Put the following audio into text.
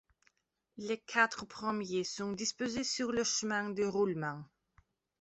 Les quatre premiers sont disposés sur le chemin de roulement.